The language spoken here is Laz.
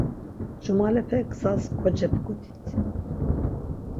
Cumalepe gzas kocebgutit.